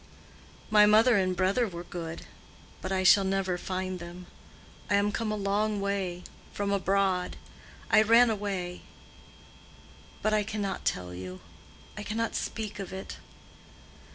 "My mother and brother were good. But I shall never find them. I am come a long way—from abroad. I ran away; but I cannot tell you—I cannot speak of it.